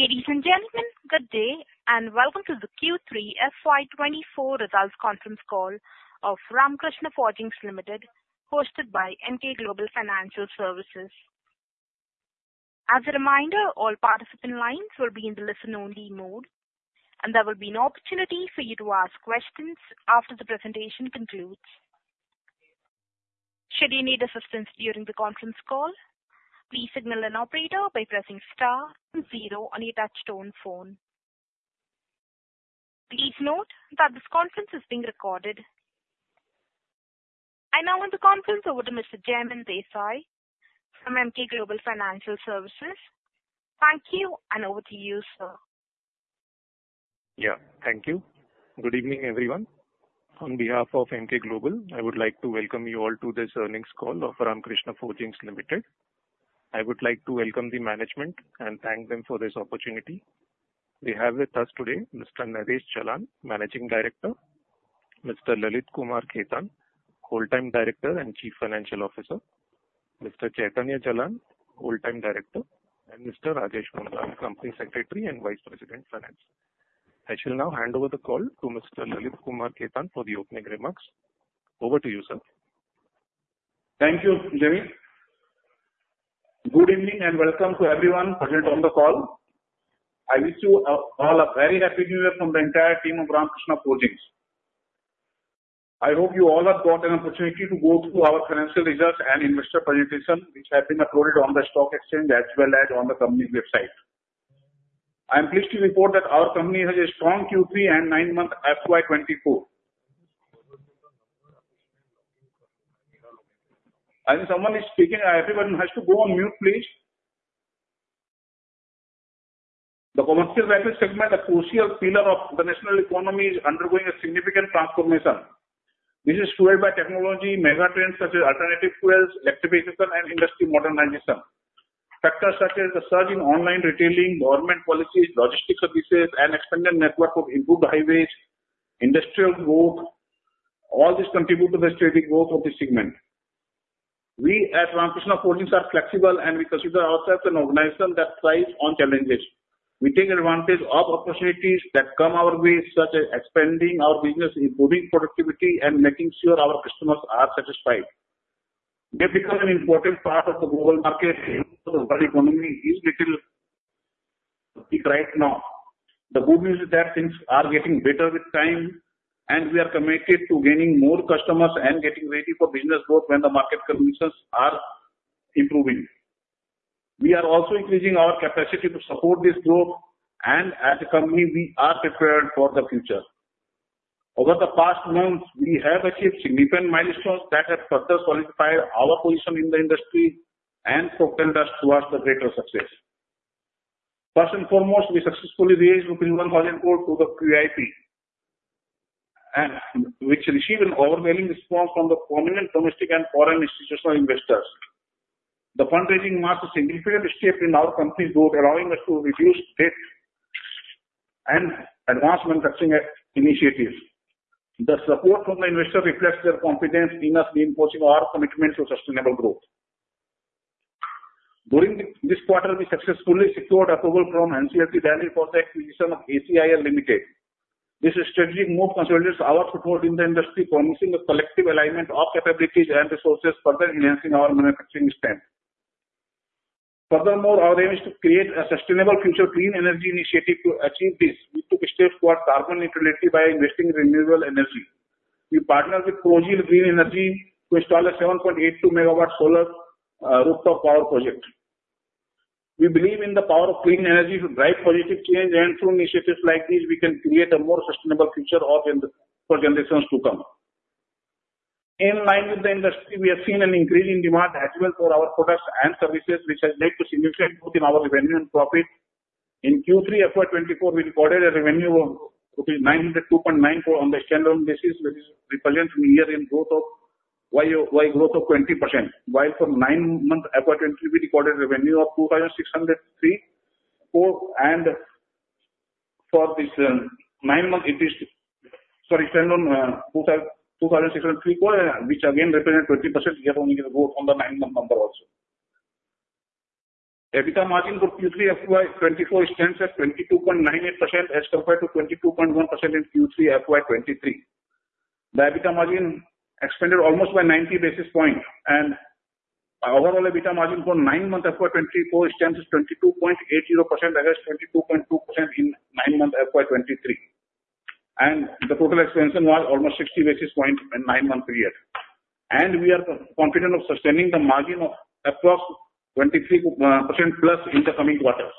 Ladies and gentlemen, good day, and welcome to the Q3 FY 2024 results conference call of Ramkrishna Forgings Limited, hosted by Emkay Global Financial Services. As a reminder, all participant lines will be in the listen-only mode, and there will be an opportunity for you to ask questions after the presentation concludes. Should you need assistance during the conference call, please signal an operator by pressing star zero on your touchtone phone. Please note that this conference is being recorded. I now hand the conference over to Mr. Jaimin Desai from Emkay Global Financial Services. Thank you, and over to you, sir. Yeah. Thank you. Good evening, everyone. On behalf of Emkay Global, I would like to welcome you all to this earnings call of Ramkrishna Forgings Limited. I would like to welcome the management and thank them for this opportunity. We have with us today Mr. Naresh Jalan, Managing Director, Mr. Lalit Kumar Khetan, Whole-Time Director and Chief Financial Officer, Mr. Chaitanya Jalan, Whole-Time Director, and Mr. Rajesh Mundhra, Company Secretary and Vice President, Finance. I shall now hand over the call to Mr. Lalit Kumar Khetan for the opening remarks. Over to you, sir. Thank you, Jaimin. Good evening, and welcome to everyone present on the call. I wish you all a very happy New Year from the entire team of Ramkrishna Forgings. I hope you all have got an opportunity to go through our financial results and investor presentation, which have been uploaded on the stock exchange as well as on the company website. I am pleased to report that our company has a strong Q3 and nine-month FY 2024. And someone is speaking. Everyone has to go on mute, please. The commercial vehicle segment, a crucial pillar of the national economy, is undergoing a significant transformation. This is fueled by technology megatrends such as alternative fuels, electrification, and industry modernization. Factors such as the surge in online retailing, government policies, logistics services, and expanded network of improved highways, industrial growth, all these contribute to the steady growth of this segment. We at Ramkrishna Forgings are flexible, and we consider ourselves an organization that thrives on challenges. We take advantage of opportunities that come our way, such as expanding our business, improving productivity, and making sure our customers are satisfied. We have become an important part of the global market and the world economy, even if it is right now. The good news is that things are getting better with time, and we are committed to gaining more customers and getting ready for business growth when the market conditions are improving. We are also increasing our capacity to support this growth, and as a company, we are prepared for the future. Over the past months, we have achieved significant milestones that have further solidified our position in the industry and propelled us towards the greater success. First and foremost, we successfully raised 1,000 crore through the QIP, and which received an overwhelming response from the prominent domestic and foreign institutional investors. The fundraising marks a significant step in our company's growth, allowing us to reduce debt and advance manufacturing initiatives. The support from the investors reflects their confidence in us, reinforcing our commitment to sustainable growth. During this quarter, we successfully secured approval from NCLT Delhi for the acquisition of ACIL Limited. This strategy more consolidates our support in the industry, promising a collective alignment of capabilities and resources, further enhancing our manufacturing strength. Furthermore, our aim is to create a sustainable future green energy initiative to achieve this, we took a step towards carbon neutrality by investing in renewable energy. We partnered with Prozeal Green Energy to install a 7.82 MW solar rooftop power project. We believe in the power of clean energy to drive positive change, and through initiatives like these, we can create a more sustainable future for generations to come. In line with the industry, we have seen an increase in demand as well for our products and services, which has led to significant growth in our revenue and profit. In Q3 FY 2024, we recorded a revenue of rupees 902.94 crore on the standalone basis, which represents a year-on-year growth of 20%, while for nine months FY 2023, we recorded revenue of 2,603 crore, and for this nine months, it is standalone 2,603 crore, which again represents 20% year-on-year growth on the nine-month number also. EBITDA margin for Q3 FY 2024 stands at 22.98%, as compared to 22.1% in Q3 FY 2023. The EBITDA margin expanded almost by 90 basis points, and overall, EBITDA margin for nine months FY 2024 stands at 22.80%, against 22.2% in nine months FY 2023. The total expansion was almost 60 basis points in nine-month period. We are confident of sustaining the margin of across 23%+ in the coming quarters.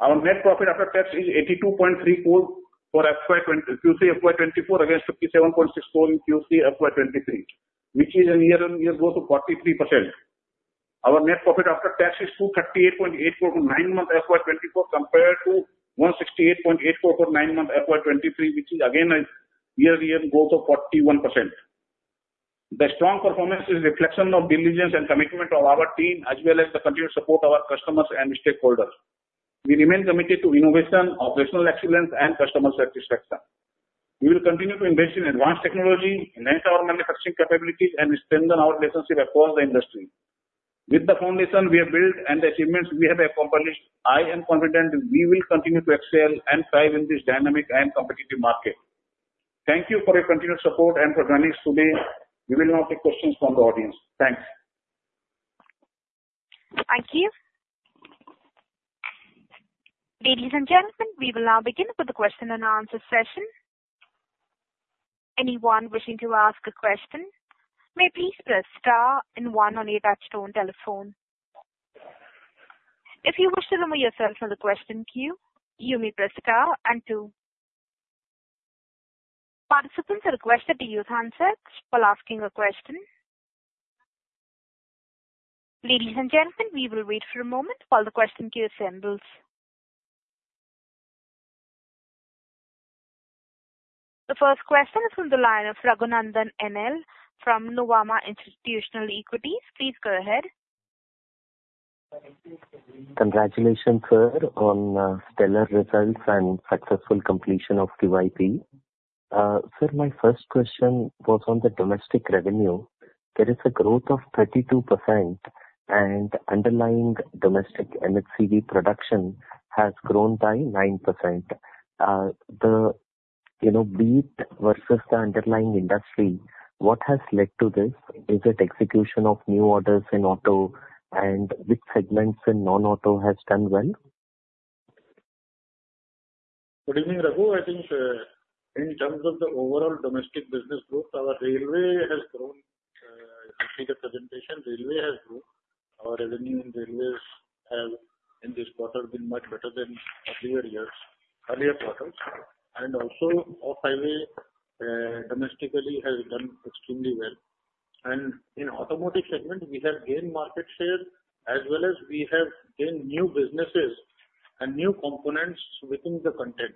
Our net profit after tax is 82.34 for Q3 FY 2024, against 57.64 in Q3 FY 2023, which is a year-on-year growth of 43%. Our net profit after tax is 238.84 for nine months FY 2024, compared to 168.84 for nine months FY 2023, which is again a year-on-year growth of 41%. The strong performance is a reflection of diligence and commitment of our team, as well as the continued support of our customers and stakeholders. We remain committed to innovation, operational excellence, and customer satisfaction.... We will continue to invest in advanced technology, enhance our manufacturing capabilities, and strengthen our relationship across the industry. With the foundation we have built and the achievements we have accomplished, I am confident we will continue to excel and thrive in this dynamic and competitive market. Thank you for your continued support and for joining us today. We will now take questions from the audience. Thanks. Thank you. Ladies and gentlemen, we will now begin with the question and answer session. Anyone wishing to ask a question, may please press star and one on your touch-tone telephone. If you wish to remove yourself from the question queue, you may press star and two. Participants are requested to use handsets while asking a question. Ladies and gentlemen, we will wait for a moment while the question queue assembles. The first question is from the line of Raghunandan NL, from Nuvama Institutional Equities. Please go ahead. Congratulations, sir, on stellar results and successful completion of QIP. Sir, my first question was on the domestic revenue. There is a growth of 32%, and underlying domestic M&HCV production has grown by 9%. The, you know, beat versus the underlying industry, what has led to this? Is it execution of new orders in auto, and which segments in non-auto has done well? Good evening, Raghu. I think, in terms of the overall domestic business growth, our railway has grown. If you see the presentation, railway has grown. Our revenue in Railways have, in this quarter, been much better than earlier years, earlier quarters, and also off highway, domestically has done extremely well. And in Automotive segment, we have gained market share, as well as we have gained new businesses and new components within the content.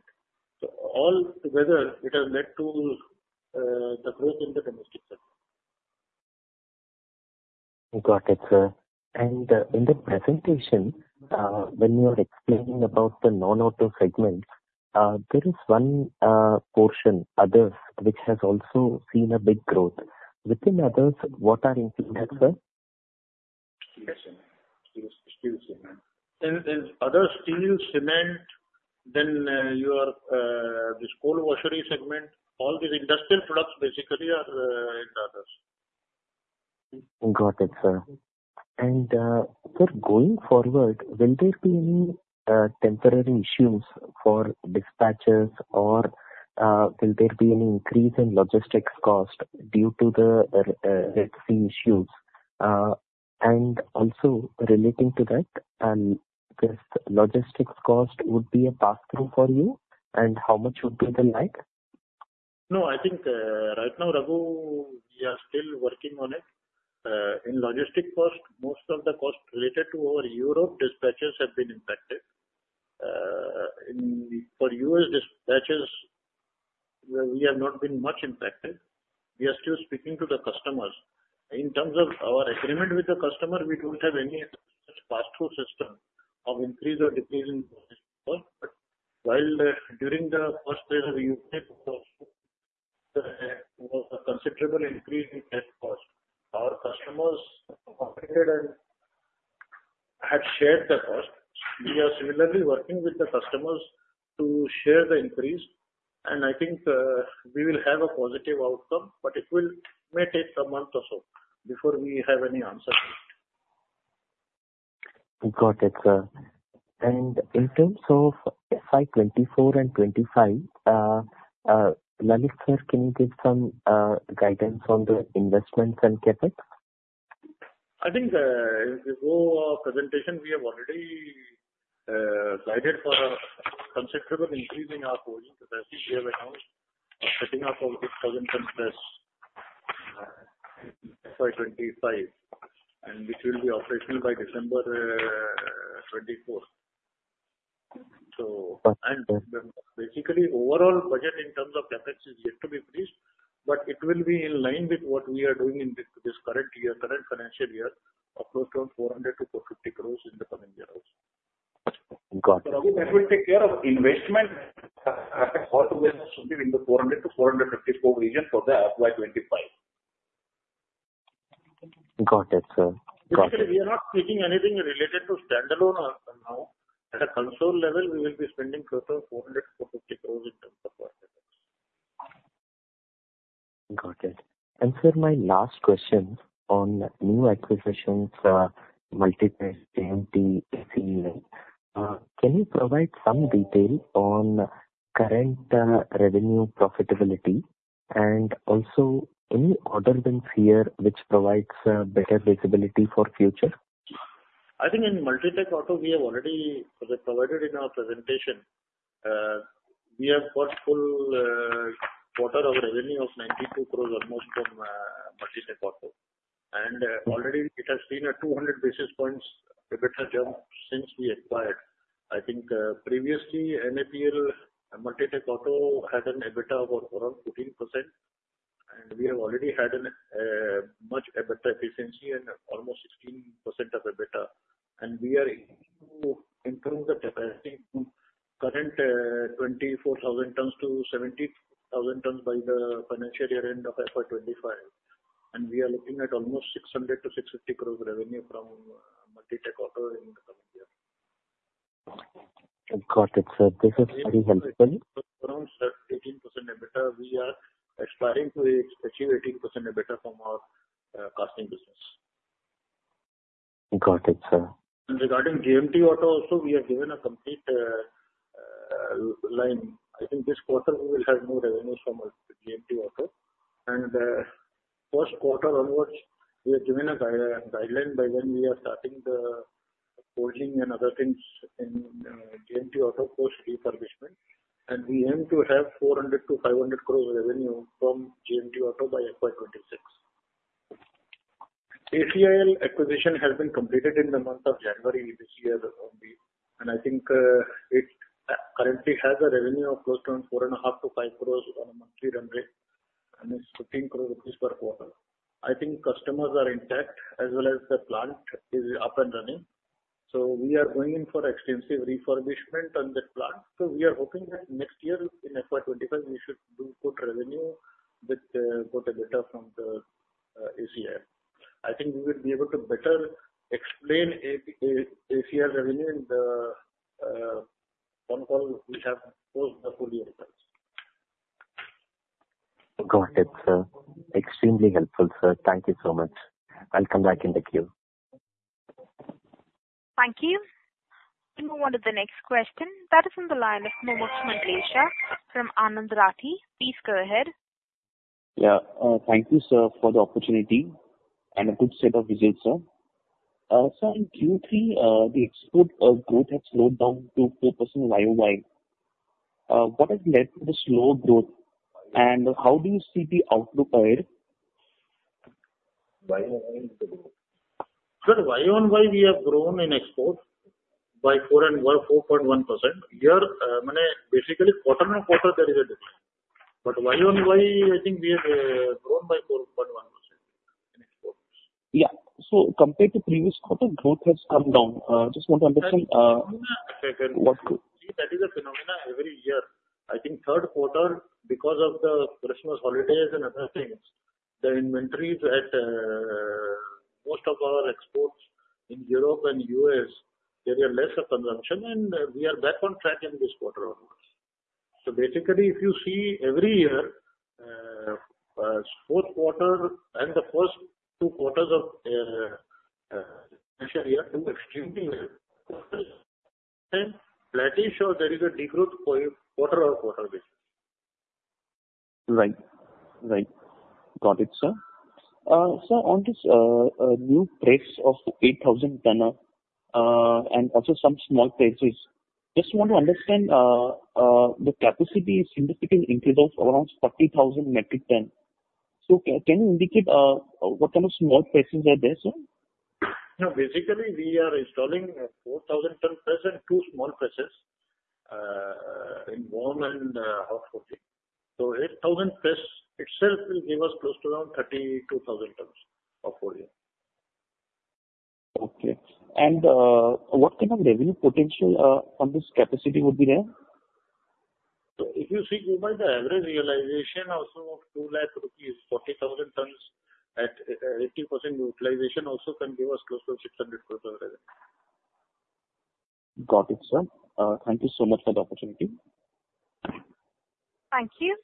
So all together, it has led to, the growth in the domestic sector. Got it, sir. In the presentation, when you are explaining about the non-auto segment, there is one portion, others, which has also seen a big growth. Within others, what are included, sir? Steel, cement. And other steel, cement, then your this coal washery segment, all these industrial products basically are in others. Got it, sir. And, sir, going forward, will there be any temporary issues for dispatches, or will there be an increase in logistics cost due to the Red Sea issues? And also relating to that, and this logistics cost would be a pass-through for you, and how much would be the like? No, I think, right now, Raghu, we are still working on it. In logistic cost, most of the cost related to our Europe dispatches have been impacted. For U.S. dispatches, we are not been much impacted. We are still speaking to the customers. In terms of our agreement with the customer, we don't have any pass-through system of increase or decrease in cost. But while, during the first phase of COVID, there was a considerable increase in cost, our customers cooperated and have shared the cost. We are similarly working with the customers to share the increase, and I think, we will have a positive outcome, but it will may take a month or so before we have any answer. Got it, sir. In terms of FY 2024 and 2025, Lalit, sir, can you give some guidance on the investments and CapEx? I think, in the whole presentation, we have already guided for a considerable increase in our portfolio. We have announced setting up of 6,000-ton press, FY 2025, and which will be operational by December 2024. So- Got it. Basically, overall budget in terms of CapEx is yet to be released, but it will be in line with what we are doing in this current year, current financial year, of close to 400 crore-450 crore in the coming year also. Got it. That will take care of investment, should be in the 400-450 crore region for the FY 2025. Got it, sir. Got it. We are not speaking anything related to standalone now. At a consolidated level, we will be spending close to 400-450 crores in terms of our CapEx. Got it. And sir, my last question on new acquisitions, Multitech, JMT, can you provide some detail on current revenue profitability? And also, any order wins here, which provides better visibility for future? I think in Multitech Auto, we have already provided in our presentation. We have got full quarter of revenue of 92 crore, almost from Multitech Auto. And already it has been a 200 basis points EBITDA jump since we acquired. I think previously, MAPL, Multitech Auto had an EBITDA of around 15%.... And we have already had a much EBITDA efficiency and almost 16% of EBITDA, and we are able to improve the capacity from current 24,000 tons-70,000 tons by the financial year end of FY 2025. And we are looking at almost 600 crore-650 crore revenue from Multitech Auto in the coming year. I've got it, sir. This is very helpful. Around 18% EBITDA, we are aspiring to achieve 18% EBITDA from our, casting business. Got it, sir. Regarding JMT Auto also, we have given a complete line. I think this quarter we will have no revenues from our JMT Auto. First quarter onwards, we have given a guideline by when we are starting the forging and other things in JMT Auto post refurbishment, and we aim to have 400-500 crore revenue from JMT Auto by FY 2026. ACIL acquisition has been completed in the month of January this year, and I think it currently has a revenue of close to around 4.5-5 crore on a monthly run rate, and it's 15 crore rupees per quarter. I think customers are intact as well as the plant is up and running, so we are going in for extensive refurbishment on that plant. We are hoping that next year, in FY 2025, we should do good revenue with good EBITDA from the ACIL. I think we will be able to better explain AC, ACIL revenue in the on call we have post the full year results. Got it, sir. Extremely helpful, sir. Thank you so much. I'll come back in the queue. Thank you. We move on to the next question. That is on the line of Mumuksh Mandlesha from Anand Rathi. Please go ahead. Yeah, thank you, sir, for the opportunity and a good set of results, sir. Sir, in Q3, the export growth has slowed down to 4% YoY. What has led to the slow growth, and how do you see the outlook ahead? YoY growth. Sir, YoY, we have grown in exports by 4 and 4.1%. Here, basically, quarter-over-quarter there is a difference. But YoY, I think we have grown by 4.1% in exports. Yeah. So compared to previous quarter, growth has come down. Just want to understand, what- That is a phenomenon every year. I think third quarter, because of the Christmas holidays and other things, the inventories at most of our exports in Europe and U.S., there are less of consumption, and we are back on track in this quarter onwards. So basically, if you see every year, fourth quarter and the first two quarters of financial year do extremely well, and pretty sure there is a decrease quarter-over-quarter basis. Right. Right. Got it, sir. Sir, on this new press of 8,000-ton and also some small presses, just want to understand the capacity is indicating increase of around 30,000 metric ton. So can you indicate what kind of small presses are there, sir? No, basically, we are installing 4,000-ton press and two small presses in warm and hot forging. So 8,000 press itself will give us close to around 32,000 tons of forging. Okay. What kind of revenue potential on this capacity would be there? If you see, given the average realization also of 2 lakh rupees, 40,000 tons at 80% utilization also can give us close to 600 crore revenue. Got it, sir. Thank you so much for the opportunity. Thank you.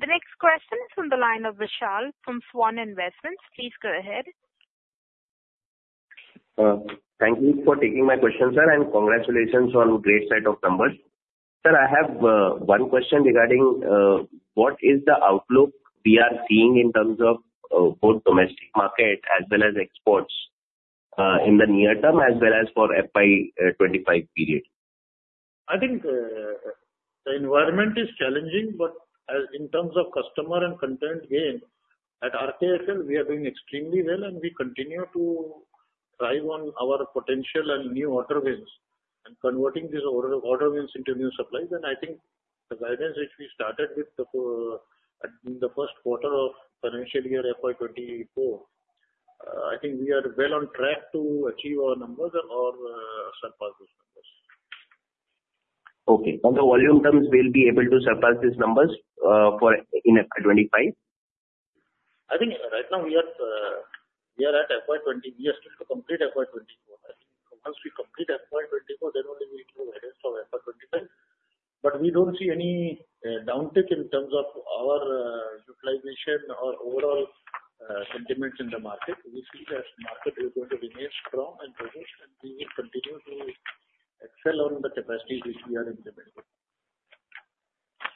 The next question is from the line of Vishal from Swan Investments. Please go ahead. Thank you for taking my question, sir, and congratulations on great set of numbers. Sir, I have one question regarding what is the outlook we are seeing in terms of both domestic market as well as exports in the near term as well as for FY 2025 period? I think, the environment is challenging, but as in terms of customer and content gain, at RKFL, we are doing extremely well, and we continue to thrive on our potential and new order wins, and converting these order wins into new supplies. I think the guidance which we started with the, in the first quarter of financial year, FY 2024, I think we are well on track to achieve our numbers or, surpass those numbers. Okay. On the volume terms, we'll be able to surpass these numbers, for in FY 2025? I think right now we are, we are at FY 2024. We are still to complete FY 2024. Once we complete FY 2024, then only we give guidance for FY 2025. But we don't see any downtick in terms of our utilization or overall sentiments in the market. We see that market is going to remain strong and progress, and we will continue to excel on the capacities which we are implementing.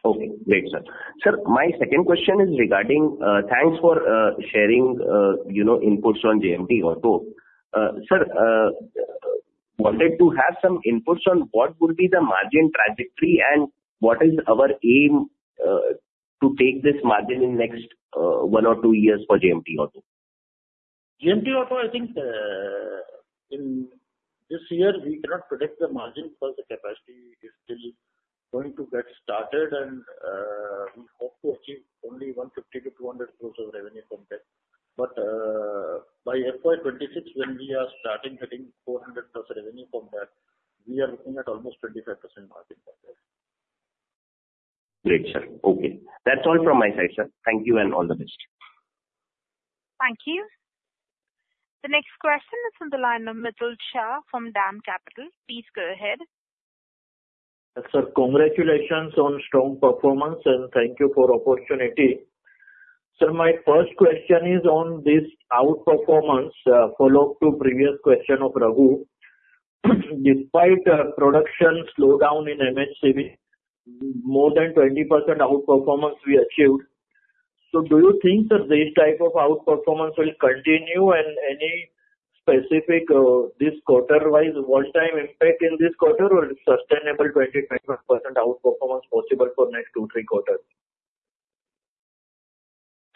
Okay, great, sir. Sir, my second question is regarding thanks for sharing, you know, inputs on JMT Auto. Sir, wanted to have some inputs on what would be the margin trajectory and what is our aim to take this margin in next one or two years for JMT Auto?... JMT Auto, I think, in this year, we cannot predict the margin, because the capacity is still going to get started, and, we hope to achieve only 150-200 crores of revenue from that. But, by FY 2026, when we are starting getting 400+ revenue from that, we are looking at almost 25% margin from that. Great, sir. Okay. That's all from my side, sir. Thank you, and all the best. Thank you. The next question is on the line of Mitul Shah from Dam Capital. Please go ahead. Sir, congratulations on strong performance, and thank you for opportunity. So my first question is on this outperformance, follow-up to previous question of Raghu. Despite production slowdown in M&HCV, more than 20% outperformance we achieved. So do you think that this type of outperformance will continue, and any specific, this quarter-wise, one-time impact in this quarter, or is sustainable 20%-21% outperformance possible for next 2-3 quarters?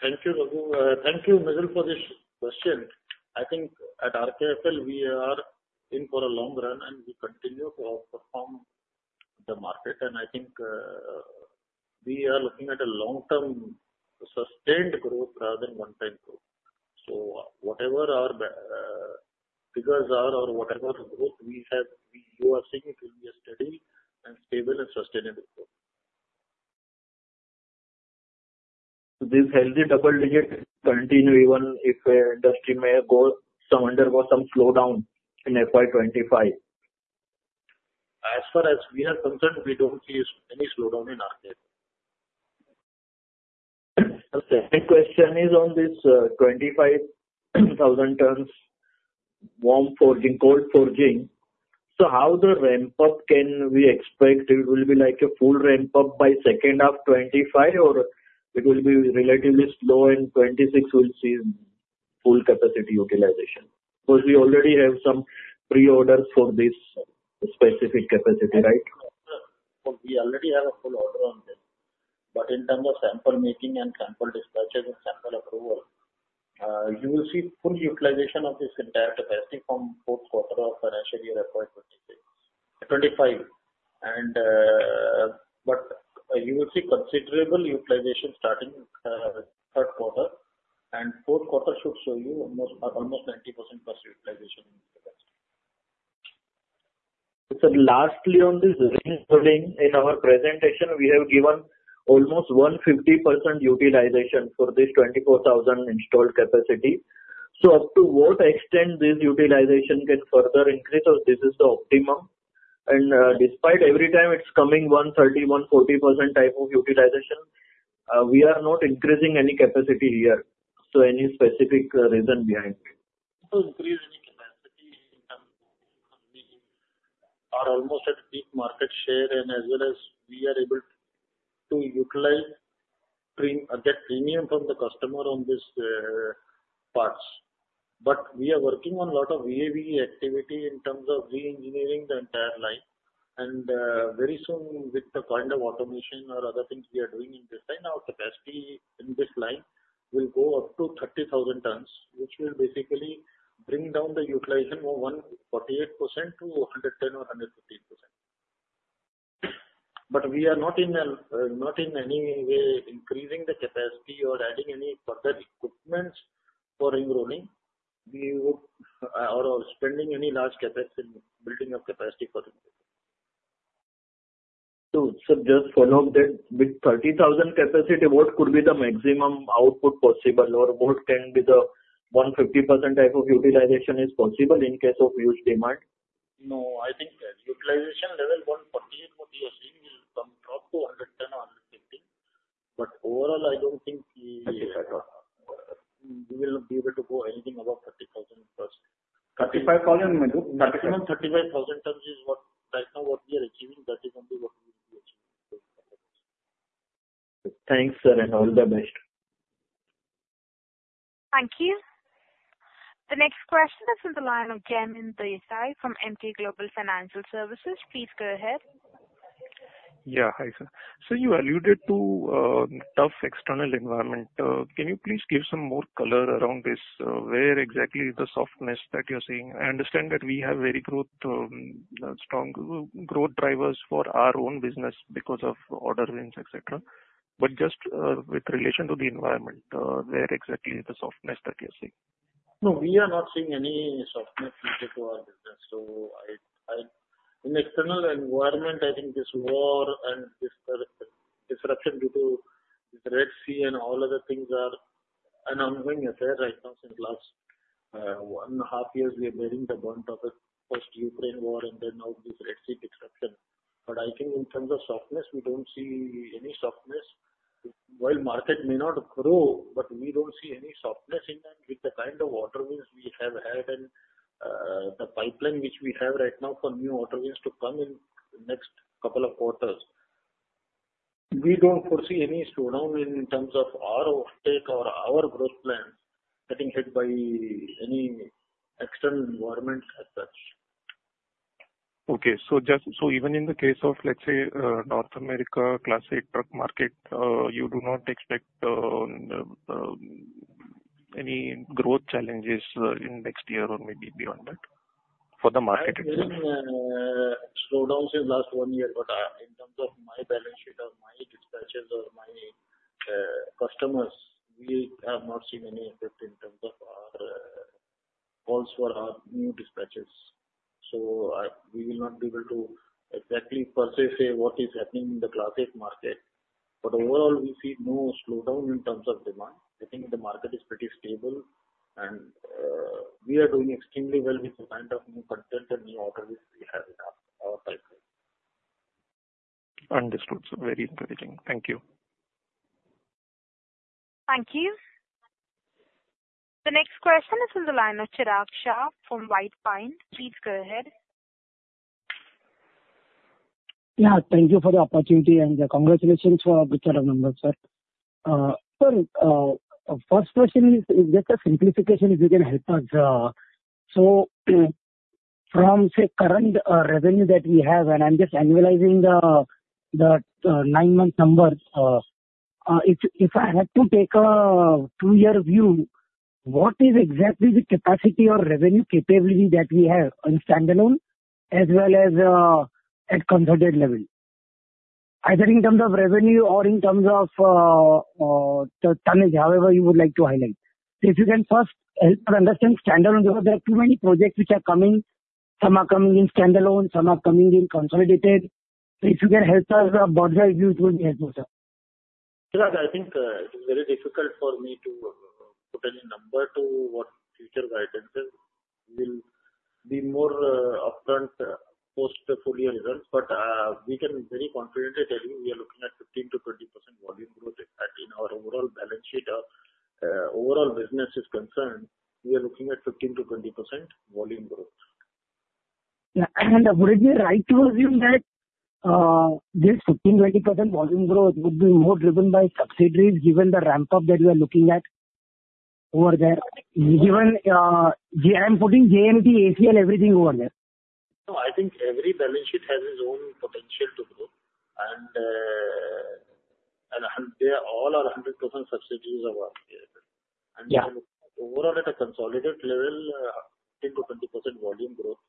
Thank you, Raghu. Thank you, Mitul, for this question. I think at RKFL, we are in for a long run, and we continue to outperform the market. I think, we are looking at a long-term sustained growth rather than one-time growth. Whatever our figures are or whatever growth we have, we, you are seeing it will be a steady and stable and sustainable growth. This healthy double-digit continue even if industry may go some, undergo some slowdown in FY 2025? As far as we are concerned, we don't see any slowdown in our end. Okay. My question is on this, 25,000 tons Warm Forging, Cold Forging. So how the ramp up can we expect? It will be like a full ramp up by second half 2025, or it will be relatively slow, in 2026 we'll see full capacity utilization, because we already have some pre-orders for this specific capacity, right? We already have a full order on this. But in terms of sample making and sample dispatch and sample approval, you will see full utilization of this entire capacity from fourth quarter of financial year FY 2025-2026. But you will see considerable utilization starting third quarter, and fourth quarter should show you almost 90%+ utilization. So lastly, on this ring rolling, in our presentation, we have given almost 150% utilization for this 24,000 installed capacity. So up to what extent this utilization can further increase, or this is the optimum? And, despite every time it's coming 130%, 140% type of utilization, we are not increasing any capacity here. So any specific, reason behind it? To increase any capacity in terms of, we are almost at peak market share, and as well as we are able to utilize, get premium from the customer on this parts. But we are working on a lot of VA/VE activity in terms of reengineering the entire line. Very soon, with the kind of automation or other things we are doing in this line, our capacity in this line will go up to 30,000 tons, which will basically bring down the utilization of 148%-110% or 115%. But we are not in any way increasing the capacity or adding any further equipments for Ring Rolling. We would spending any large capacity building up capacity for it. Sir, just follow up that with 30,000 capacity, what could be the maximum output possible, or what can be the 150% type of utilization is possible in case of huge demand? No, I think the utilization level, 148 what we are seeing, will come down to 110 or 115. But overall, I don't think we- 35. We will be able to go anything above 30,000+. 35,000 maximum? Maximum 35,000 tons is what, right now, what we are achieving. That is only what we will be achieving. Thanks, sir, and all the best. Thank you. The next question is on the line of Jaimin Desai from Emkay Global Financial Services. Please go ahead. Yeah. Hi, sir. So you alluded to, tough external environment. Can you please give some more color around this? Where exactly is the softness that you're seeing? I understand that we have very growth, strong growth drivers for our own business because of order wins, et cetera. But just, with relation to the environment, where exactly is the softness that you're seeing? No, we are not seeing any softness due to our business. So in the external environment, I think this war and this disruption due to the Red Sea and all other things are an ongoing affair right now. Since last one and a half years, we are bearing the brunt of it, first Ukraine war and then now this Red Sea disruption. But I think in terms of softness, we don't see any softness. While market may not grow, but we don't see any softness in that. With the kind of order wins we have had and the pipeline which we have right now for new order wins to come in next couple of quarters, we don't foresee any slowdown in terms of our uptake or our growth plan getting hit by any external environment as such.... Okay, so just, so even in the case of, let's say, North America Class 8 truck market, you do not expect any growth challenges in next year or maybe beyond that for the market? I've seen slowdown since last one year, but in terms of my balance sheet or my dispatches or my customers, we have not seen any effect in terms of our calls for our new dispatches. So we will not be able to exactly per se say what is happening in the classic market. But overall, we see no slowdown in terms of demand. I think the market is pretty stable and we are doing extremely well with the kind of new contracts and new orders we have in our pipeline. Understood, sir. Very encouraging. Thank you. Thank you. The next question is in the line of Chirag Shah from White Pine. Please go ahead. Yeah, thank you for the opportunity and congratulations for the good numbers, sir. So, first question is, just a simplification if you can help us. So from, say, current revenue that we have, and I'm just annualizing the nine-month numbers. If I had to take a two-year view, what is exactly the capacity or revenue capability that we have on standalone as well as at consolidated level? Either in terms of revenue or in terms of the tonnage, however you would like to highlight. If you can first help us understand standalone, because there are too many projects which are coming. Some are coming in standalone, some are coming in consolidated. So if you can help us, broadly, it will be helpful, sir. Chirag, I think it is very difficult for me to put any number to what future guidance is. We'll be more upfront post the full year results. But we can very confidently tell you we are looking at 15%-20% volume growth in that. In our overall balance sheet, overall business is concerned, we are looking at 15%-20% volume growth. Would it be right to assume that this 15%-20% volume growth would be more driven by subsidiaries, given the ramp-up that you are looking at over there, given JMT, ACIL, everything over there? No, I think every balance sheet has its own potential to grow, and they all are 100% subsidiaries of RKFL. Yeah. Overall, at a consolidated level, 15%-20% volume growth,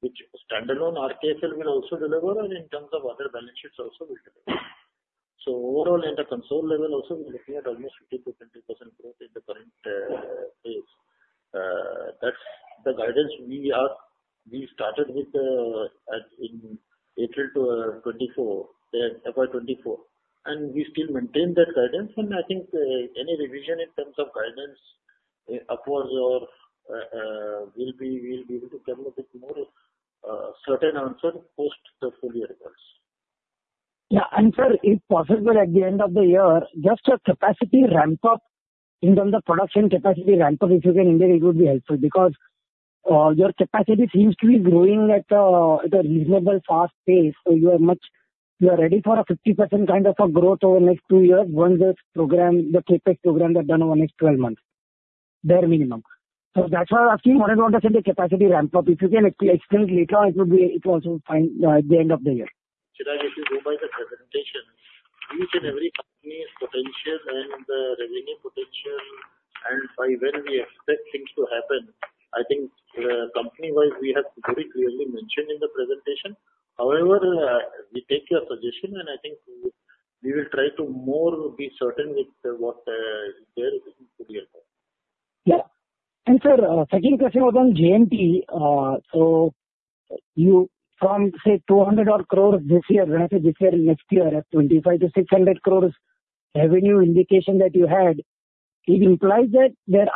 which standalone RKFL will also deliver and in terms of other balance sheets also will deliver. So overall, at a consolidated level also, we are looking at almost 15%-20% growth in the current phase. That's the guidance we started with in April 2024, FY 2024, and we still maintain that guidance. And I think any revision in terms of guidance upwards or we'll be able to come up with more certain answer post the full year results. Yeah. And, sir, if possible, at the end of the year, just a capacity ramp-up, in terms of production capacity ramp-up, if you can indicate, it would be helpful. Because your capacity seems to be growing at a reasonable fast pace, so you are ready for a 50% kind of a growth over the next two years once this program, the CapEx program are done over the next 12 months, bare minimum. So that's why I've seen what is on the capacity ramp-up. If you can explain later on, it will also be fine, at the end of the year. Chirag, if you go by the presentation, each and every company's potential and the revenue potential and by when we expect things to happen, I think, company-wise, we have very clearly mentioned in the presentation. However, we take your suggestion, and I think we will, we will try to more be certain with, what, there is to be aware. Yeah. And, sir, second question was on JMT. So you from, say, 200-odd crores this year, when I say this year, next year, at 25-600 crores revenue indication that you had, it implies that there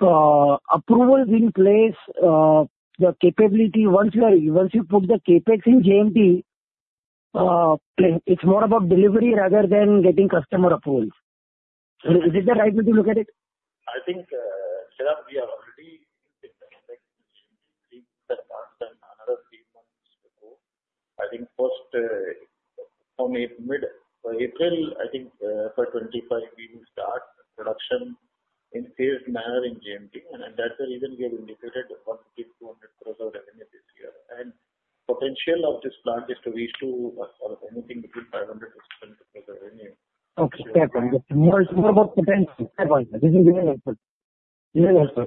are approvals in place. The capability, once you are, once you put the CapEx in JMT, it's more about delivery rather than getting customer approvals. Is this the right way to look at it? I think, Chirag, we have already another three months to go. I think first, from mid-April, I think, FY 2025, we will start production in phased manner in JMT. And that's the reason we have indicated 100-200 crores of revenue this year. And potential of this plant is to reach to, anything between INR 500-600 crores revenue. Okay, fair. More, more about potential. Fair point. This is really helpful. Really helpful.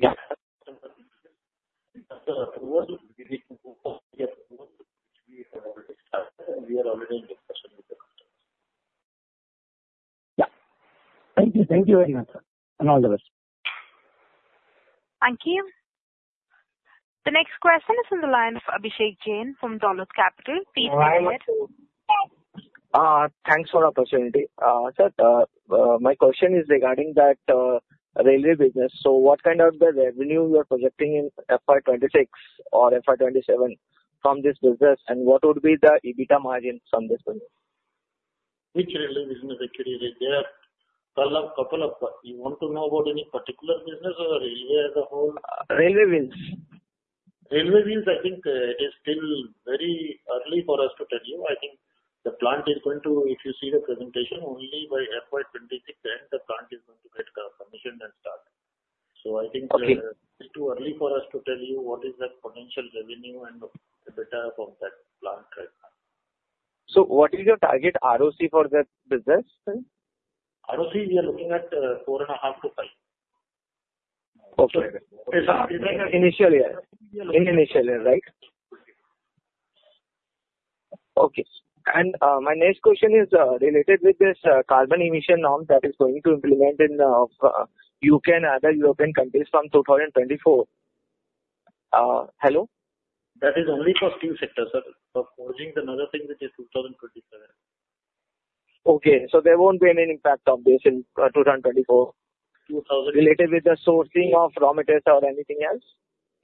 Yeah. Yeah. Thank you. Thank you very much, sir, and all the best. Thank you. The next question is from the line of Abhishek Jain from Arihant Capital. Please go ahead. Thanks for the opportunity. Sir, my question is regarding that railway business. What kind of the revenue you are projecting in FY 2026 or FY 2027 from this business? And what would be the EBITDA margin from this business? Which railway business actually is there? Couple of, you want to know about any particular business or you hear the whole- Railway Wheels. Railway Wheels, I think, is still early for us to tell you. I think the plant is going to, if you see the presentation, only by FY 2026, then the plant is going to get commissioned and start. So I think- Okay. It's too early for us to tell you what is the potential revenue and EBITDA from that plant right now. What is your target ROCE for that business, sir? ROCE, we are looking at 4.5-5. Okay. It's our Initial year. In initial year, right? Okay. Okay. And, my next question is related with this carbon emission norm that is going to implement in U.K. and other European countries from 2024. Hello? That is only for steel sector, sir. For forging, another thing, which is 2027. Okay, so there won't be any impact of this in 2024- 2024- -related with the sourcing of raw materials or anything else?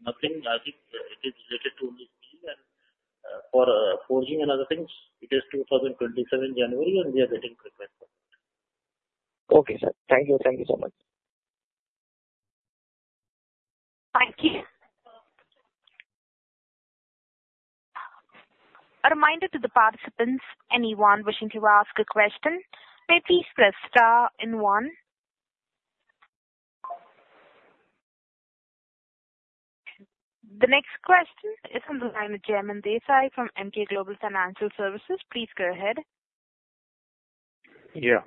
Nothing as it is related to only steel and for forging and other things, it is 2027, January, and we are getting prepared for it. Okay, sir. Thank you. Thank you so much. Thank you. A reminder to the participants, anyone wishing to ask a question, may please press star and one. The next question is from the line of Jaimin Desai from Emkay Global Financial Services. Please go ahead. Yeah.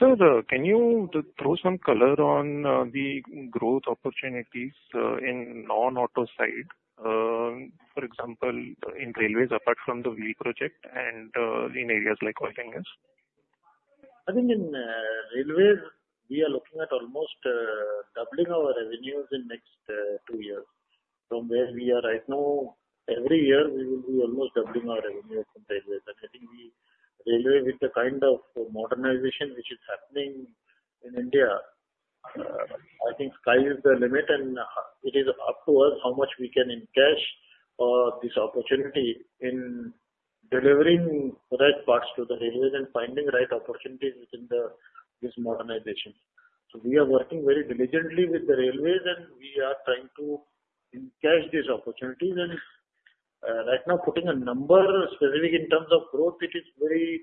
So, can you throw some color on the growth opportunities in non-auto side, for example, in Railways, apart from the Wheel project and in areas like oil and gas? I think in, Railways, we are looking at almost, doubling our revenues in next, two years. From where we are right now, every year, we will be almost doubling our revenue from Railways. And I think we, railway with the kind of modernization which is happening in India, I think sky is the limit, and, it is up to us how much we can encash, this opportunity in delivering the right parts to the railways and finding the right opportunities within the, this modernization. So we are working very diligently with the Railways, and we are trying to encash these opportunities. Right now, putting a number specific in terms of growth, it is very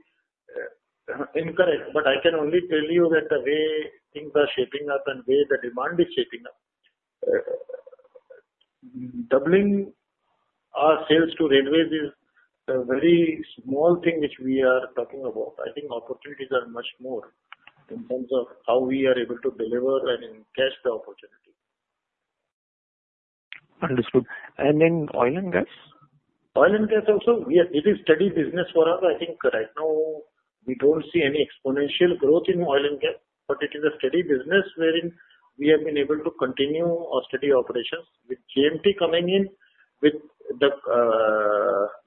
incorrect, but I can only tell you that the way things are shaping up and the way the demand is shaping up, doubling our sales to railways is a very small thing which we are talking about. I think opportunities are much more in terms of how we are able to deliver and encash the opportunity. Understood. And in Oil and Gas? Oil and Gas also, it is steady business for us. I think right now, we don't see any exponential growth in Oil and Gas, but it is a steady business wherein we have been able to continue our steady operations. With JMT coming in, with the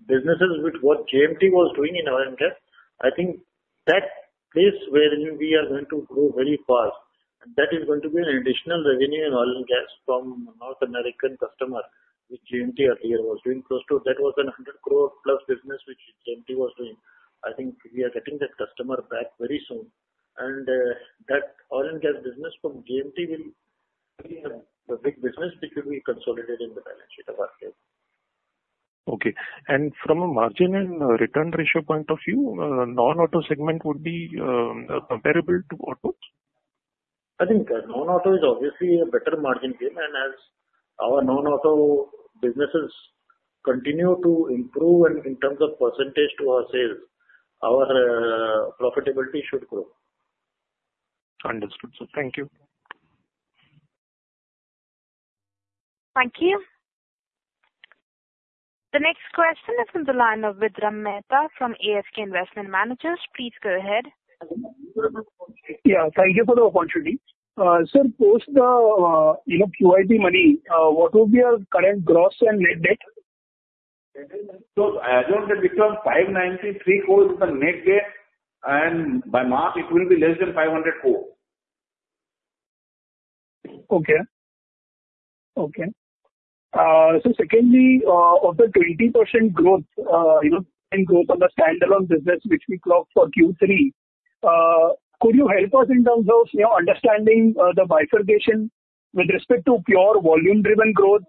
businesses, with what JMT was doing in Oil and Gas, I think that place wherein we are going to grow very fast, and that is going to be an additional revenue in Oil and Gas from North American customer, which JMT earlier was doing close to. That was an 100+ crore business, which JMT was doing. I think we are getting that customer back very soon, and that Oil and Gas business from JMT will be a big business which will be consolidated in the balance sheet of RKL. Okay. From a margin and return ratio point of view, non-auto segment would be comparable to autos? I think non-auto is obviously a better margin game, and as our non-auto businesses continue to improve and in terms of percentage to our sales, our profitability should grow. Understood, sir. Thank you. Thank you. The next question is from the line of Vidrum Mehta from ASK Investment Managers. Please go ahead. Yeah, thank you for the opportunity. Sir, post the, you know, QIP money, what will be our current gross and net debt? As of today, it becomes INR 593 crore is the net debt, and by March, it will be less than 500 crore. Okay. Okay. So secondly, of the 20% growth, you know, in growth on the standalone business, which we clocked for Q3, could you help us in terms of, you know, understanding, the bifurcation with respect to pure volume-driven growth,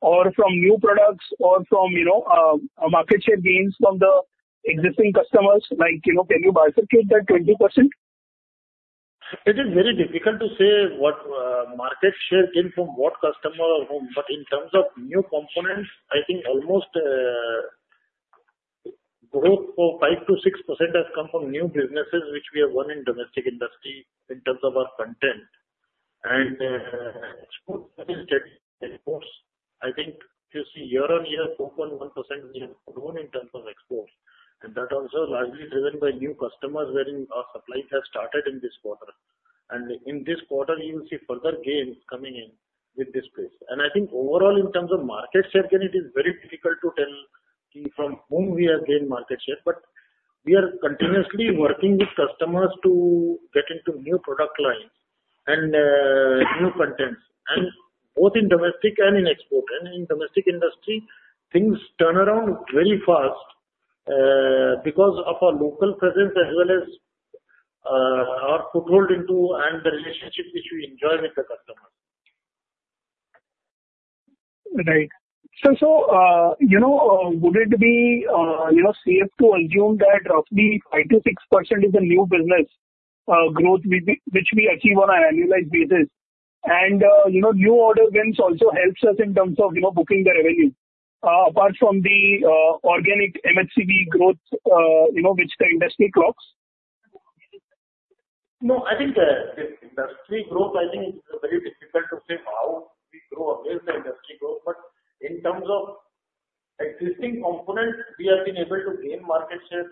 or from new products or from, you know, market share gains from the existing customers, like, you know, can you bifurcate that 20%? It is very difficult to say what, market share came from what customer or whom, but in terms of new components, I think almost, growth for 5%-6% has come from new businesses, which we have won in domestic industry in terms of our content. And, exports, I think you see year-on-year, 4.1% we have grown in terms of exports, and that also largely driven by new customers wherein our supply has started in this quarter. And in this quarter, you will see further gains coming in with this place. And I think overall, in terms of market share gain, it is very difficult to tell from whom we have gained market share, but we are continuously working with customers to get into new product lines and, new contents, and both in domestic and in export. In domestic industry, things turn around very fast, because of our local presence as well as our foothold into and the relationship which we enjoy with the customers.... Right. So, you know, would it be, you know, safe to assume that roughly 5%-6% is the new business growth, which we achieve on an annualized basis? And, you know, new order gains also helps us in terms of, you know, booking the revenue, apart from the organic M&HCV growth, you know, which the industry clocks. No, I think the industry growth, I think, is very difficult to say how we grow against the industry growth. But in terms of existing components, we have been able to gain market share.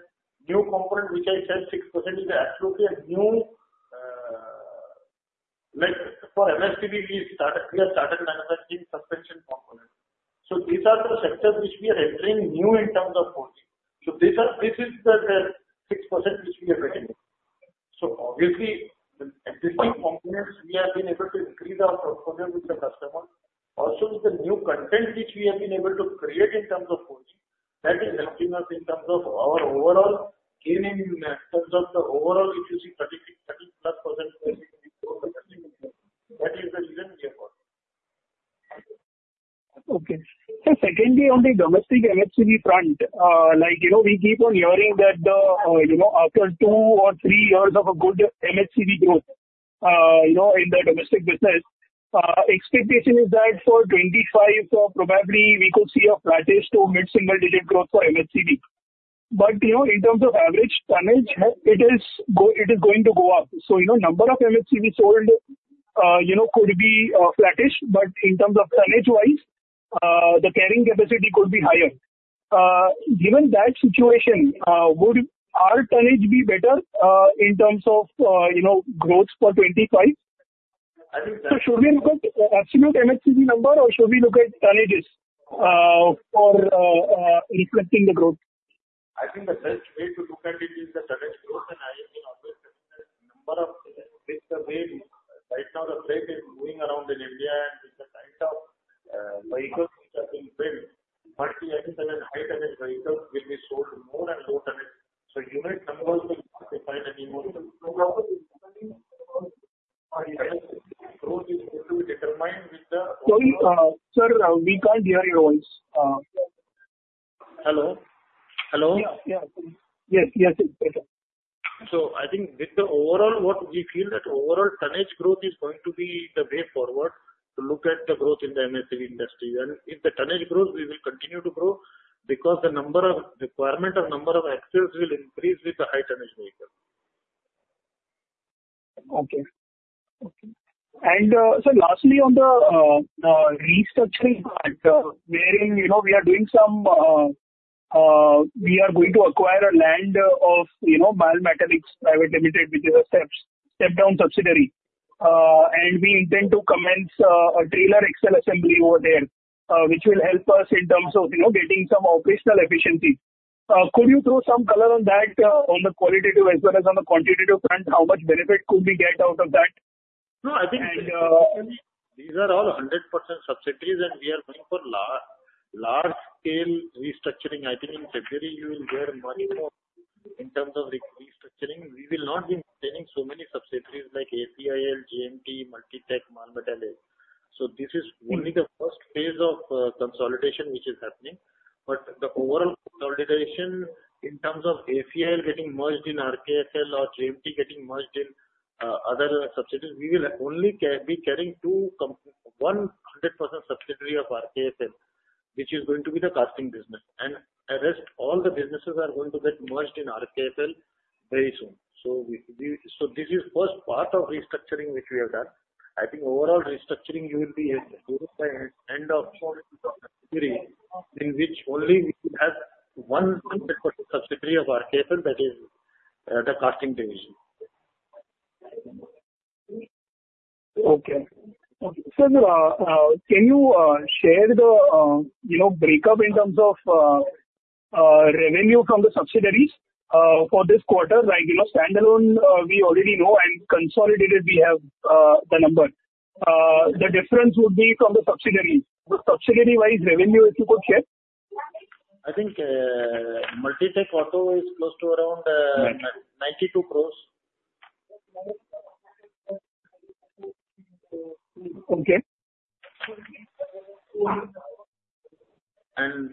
New component, which I said 6%, is absolutely a new, like for M&HCV, we started, we have started manufacturing suspension components. So these are the sectors which we are entering new in terms of sourcing. So these are, this is the 6% which we are bringing. So obviously, with existing components, we have been able to increase our portfolio with the customer. Also, the new content which we have been able to create in terms of sourcing, that is helping us in terms of our overall gain, in terms of the overall, if you see 33, 30+% growth, that is the reason we have got. Okay. So secondly, on the domestic M&HCV front, like, you know, we keep on hearing that, you know, after two or three years of a good M&HCV growth, you know, in the domestic business, expectation is that for 25, so probably we could see a flattish to mid-single digit growth for M&HCV. But, you know, in terms of average tonnage, it is going to go up. So, you know, number of M&HCV sold, you know, could be, flattish, but in terms of tonnage-wise, the carrying capacity could be higher. Given that situation, would our tonnage be better, in terms of, you know, growth for 2025? I think that- So should we look at absolute M&HCV number, or should we look at tonnages for reflecting the growth? I think the best way to look at it is the tonnage growth, and I have been always saying that number of with the way right now the freight is moving around in India, and with the kind of, vehicles which are being built, multi-axle and high tonnage vehicles will be sold more and low tonnage. So unit numbers will not define anymore. The growth is going to be determined with the- Sorry, sir, we can't hear your voice. Hello? Hello. Yeah, yeah. Yes, yes, it's better. I think with the overall, what we feel that overall tonnage growth is going to be the way forward to look at the growth in the M&HCV industry. If the tonnage grows, we will continue to grow because the number of requirement or number of axles will increase with the high tonnage vehicle. Okay. Okay. And, so lastly, on the restructuring part, where, you know, we are doing some, we are going to acquire a land of, you know, Mal Metalliks Private Limited, which is a step-down subsidiary. And we intend to commence a trailer axle assembly over there, which will help us in terms of, you know, getting some operational efficiency. Could you throw some color on that, on the qualitative as well as on the quantitative front? How much benefit could we get out of that? No, I think- And, uh- These are all 100% subsidiaries, and we are going for large-scale restructuring. I think in February you will hear much more in terms of restructuring. We will not be maintaining so many subsidiaries like ACIL, JMT, Multitech, Mal Metalliks. So this is only the first phase of consolidation which is happening. But the overall consolidation in terms of ACIL getting merged in RKFL or JMT getting merged in other subsidiaries, we will only be carrying two companies, 100% subsidiary of RKFL, which is going to be the casting business, and the rest, all the businesses are going to get merged in RKFL very soon. So this is first part of restructuring, which we have done. I think overall restructuring you will be doing by end of February, in which only we should have 100% subsidiary of RKFL, that is, the casting division. Okay. So, can you share the, you know, breakup in terms of revenue from the subsidiaries for this quarter? Like, you know, standalone, we already know and consolidated we have the number. The subsidiary-wise revenue, if you could share. I think, Multitech Auto is close to around- 90. 92 crores. Okay.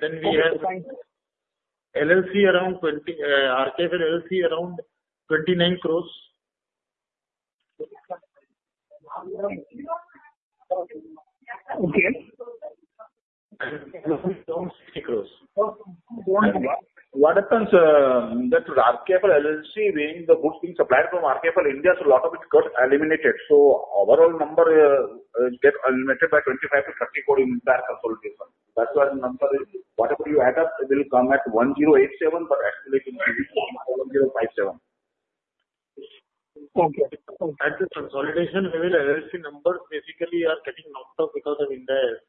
We have LLC around 20 crore, RKFL LLC, around INR 29 crore. Okay.... INR 60 crore. INR 40 crores. What happens, that RKFL LLC, being the goods being supplied from RKFL India, so lot of it gets eliminated. So overall number, get eliminated by 25 crore-30 crore in entire consolidation. That's why the number is, whatever you add up, it will come at 1,087 crore, but actually it will be INR 1,057 crore. Okay. At the consolidation level, LLC numbers basically are getting knocked off because of indirect.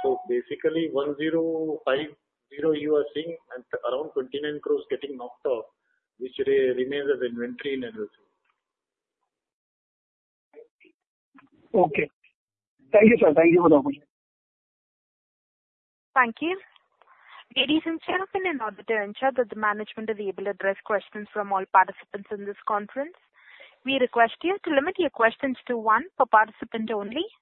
So basically, 1,050, you are seeing around 29 crore getting knocked off, which remains as inventory in LLC. Okay. Thank you, sir. Thank you very much.... Thank you. Ladies and gentlemen, in order to ensure that the management is able to address questions from all participants in this conference, we request you to limit your questions to one per participant only. The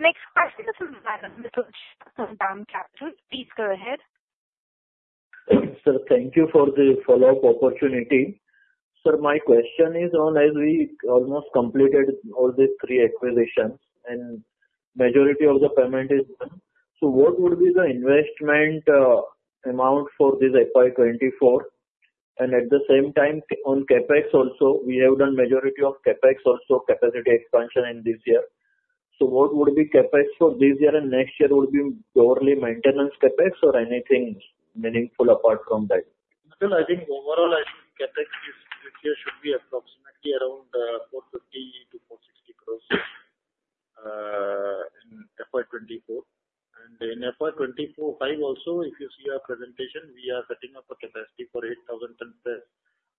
next question is from Mitul Shah from Dam Capital. Please go ahead. Sir, thank you for the follow-up opportunity. Sir, my question is on, as we almost completed all the three acquisitions, and majority of the payment is done, so what would be the investment amount for this FY 2024? And at the same time, on CapEx also, we have done majority of CapEx, also capacity expansion in this year. So what would be CapEx for this year and next year? Would be purely maintenance CapEx or anything meaningful apart from that? Still, I think overall, I think CapEx this year should be approximately around 450-460 crores in FY 2024. And in FY 2025 also, if you see our presentation, we are setting up a capacity for 8,000-ton press.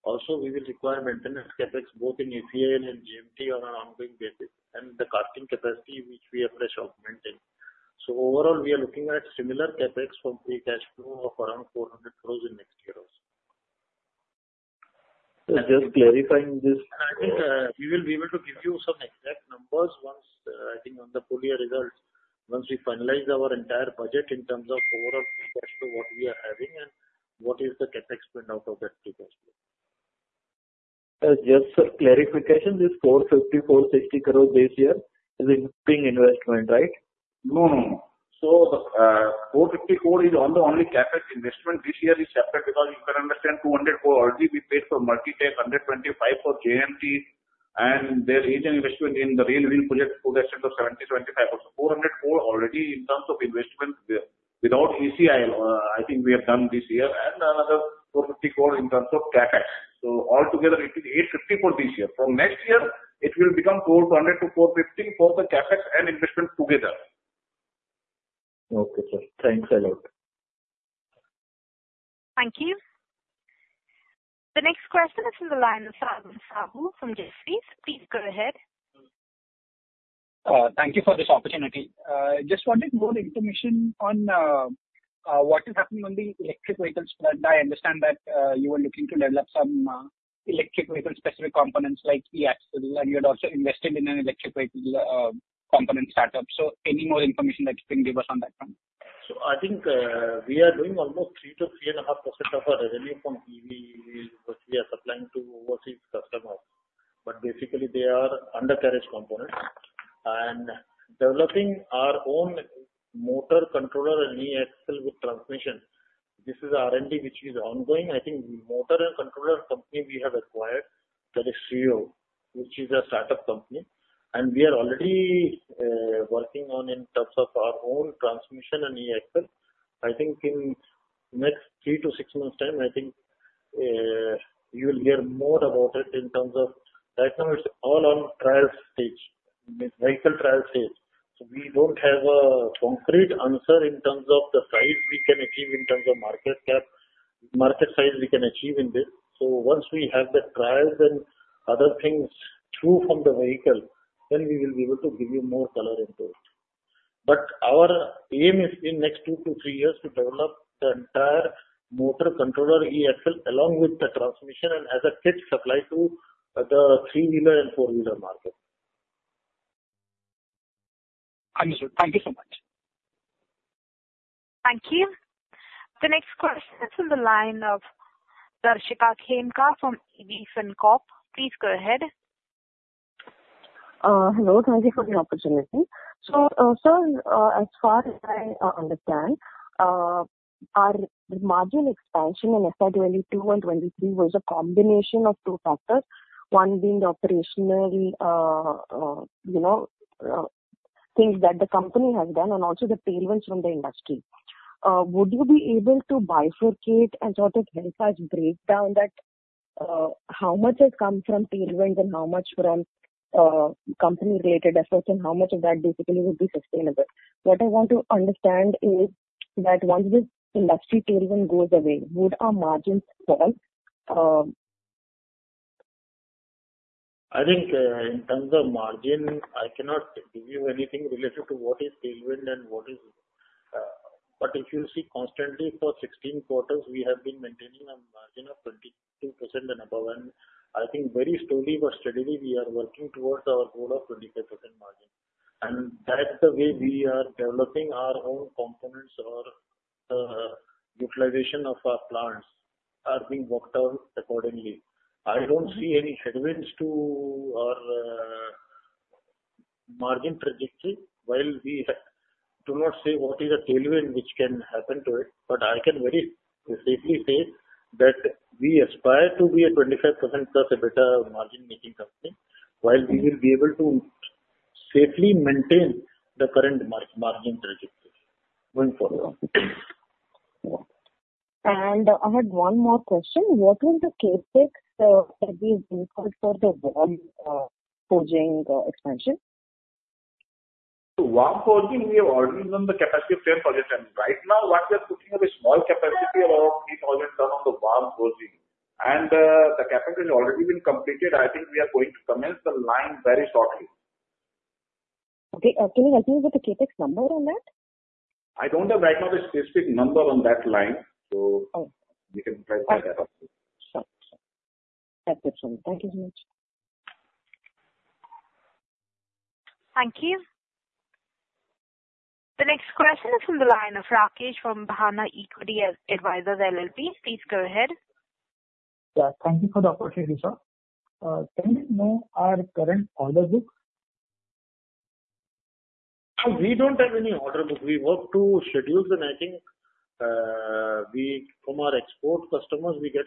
Also, we will require maintenance CapEx both in ACIL and in JMT on an ongoing basis, and the casting capacity, which we afresh augmenting. So overall, we are looking at similar CapEx from free cash flow of around 400 crores in next year also. Just clarifying this- Mitul, I think we will be able to give you some exact numbers once I think on the full year results, once we finalize our entire budget in terms of overall cash flow, what we are having and what is the CapEx spend out of that free cash flow. Just for clarification, this 450-460 crore this year is a big investment, right? No, no, no. So the 450 crore is on the only CapEx investment. This year is separate because you can understand 200 crore already we paid for Multitech, 125 for JMT, and there is an investment in the railway project to the extent of 70-75. So 400 crore already in terms of investment without ACIL, I think we have done this year, and another 450 crore in terms of CapEx. So altogether it is 850 crore this year. From next year, it will become 400-450 for the CapEx and investment together. Okay, sir. Thanks a lot. Thank you. The next question is from the line of Sagar Sahu from Jefferies. Please go ahead. Thank you for this opportunity. Just wanted more information on what is happening on the electric vehicles front. I understand that you are looking to develop some electric vehicle specific components, like e-axle, and you had also invested in an electric vehicle component startup. So any more information that you can give us on that front? So I think, we are doing almost 3%-3.5% of our revenue from EV, which we are supplying to overseas customers, but basically they are undercarriage components. And developing our own motor controller and e-axle with transmission, this is R&D, which is ongoing. I think motor and controller company we have acquired, that is TSUYO, which is a startup company, and we are already, working on in terms of our own transmission and e-axle. I think in next 3-6 months time, I think, you will hear more about it in terms of... Right now, it's all on trial stage, vehicle trial stage. So we don't have a concrete answer in terms of the size we can achieve, in terms of market cap, market size we can achieve in this. Once we have the trials and other things through from the vehicle, then we will be able to give you more color into it. But our aim is in next 2-3 years to develop the entire motor controller e-axle, along with the transmission and as a kit supply to the 3-wheeler and 4-wheeler market. Understood. Thank you so much. Thank you. The next question is in the line of Darshika Khemka from AV Fincorp. Please go ahead. Hello, thank you for the opportunity. So, sir, as far as I understand, our margin expansion in FY 2022 and 2023 was a combination of two factors, one being the operational, you know, things that the company has done and also the tailwinds from the industry. Would you be able to bifurcate and sort of give us breakdown that, how much has come from tailwinds and how much from company-related efforts, and how much of that basically would be sustainable? What I want to understand is that once this industry tailwind goes away, would our margins fall? I think, in terms of margin, I cannot give you anything related to what is tailwind and what is... But if you see constantly for 16 quarters, we have been maintaining a margin of 22% and above, and I think very slowly but steadily we are working towards our goal of 25% margin. And that's the way we are developing our own components or, utilization of our plants are being worked out accordingly. I don't see any headwinds to our, margin trajectory, while we do not say what is a tailwind which can happen to it, but I can very safely say that we aspire to be a 25%+ EBITDA margin making company, while we will be able to safely maintain the current margin trajectory going forward. I had one more question. What was the CapEx that we incurred for the Warm Forging expansion? So, Warm Forging, we have already done the capacity of 10,000 tons. Right now, what we are putting up a small capacity around 3,000 tons on the Warm Forging. And, the capacity has already been completed. I think we are going to commence the line very shortly. Okay, can you help me with the CapEx number on that? I don't have right now the specific number on that line, so- Oh. We can't clarify that also. Sure. That's absolutely. Thank you so much. Thank you. The next question is from the line of Rakesh from Bhana Equity Advisors LLP. Please go ahead. Yeah, thank you for the opportunity, sir. Can you know our current order book? We don't have any order book. We work to schedules, and I think, we from our export customers, we get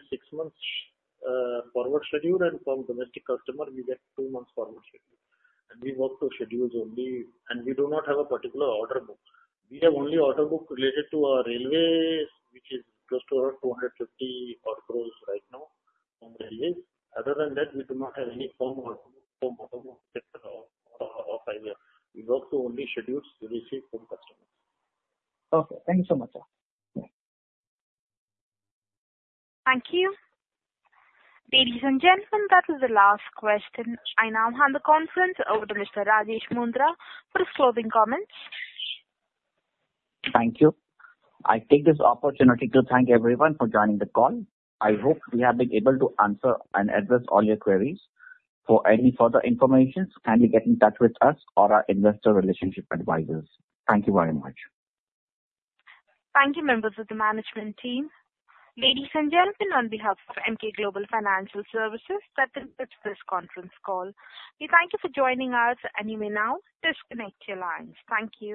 six months forward schedule, and from domestic customer we get two months forward schedule. We work to schedules only, and we do not have a particular order book. We have only order book related to our railways, which is close to around 250 crore right now from railways. Other than that, we do not have any firm order, firm order book as of five years. We work to only schedules we receive from customers. Okay, thank you so much, sir. Thank you. Ladies and gentlemen, that is the last question. I now hand the conference over to Mr. Rajesh Mundhra for his closing comments. Thank you. I take this opportunity to thank everyone for joining the call. I hope we have been able to answer and address all your queries. For any further information, kindly get in touch with us or our investor relationship advisors. Thank you very much. Thank you, members of the management team. Ladies and gentlemen, on behalf of Emkay Global Financial Services, that concludes this conference call. We thank you for joining us, and you may now disconnect your lines. Thank you.